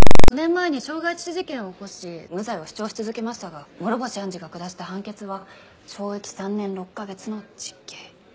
４年前に傷害致死事件を起こし無罪を主張し続けましたが諸星判事が下した判決は懲役３年６カ月の実刑。